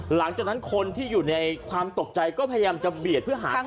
หลังจากนั้นคนที่อยู่ในความตกใจก็พยายามจะเบียดเพื่อหาทาง